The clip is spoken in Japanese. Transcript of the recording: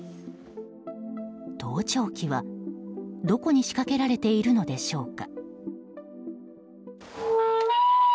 盗聴器は、どこに仕掛けられているのでしょうか？